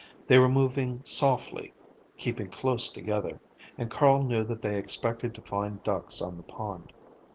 They were moving softly, keeping close together, and Carl knew that they expected to find ducks on the pond.